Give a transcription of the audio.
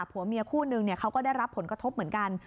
ผัวเมียคู่นึงเขาก็ได้รับผลกระทบเหมือนกัน